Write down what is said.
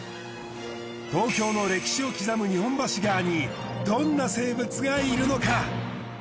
東京の歴史を刻む日本橋川にどんな生物がいるのか？